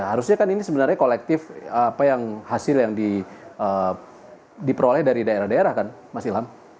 harusnya kan ini sebenarnya kolektif apa yang hasil yang diperoleh dari daerah daerah kan mas ilham